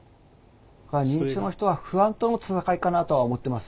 だから認知症の人は不安との闘いかなとは思ってます。